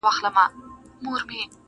له میو چي پرهېز کوم پر ځان مي ژړا راسي؛